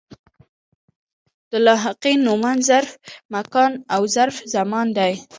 د لاحقې نومان ظرف مکان او ظرف زمان دي.